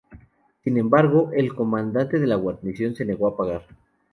Sin embargo, el comandante de la guarnición se negó a pagar.